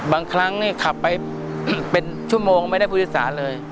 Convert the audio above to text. บางครั้งขับไปเป็นชั่วโมงไม่ได้ผู้ธิสารเลย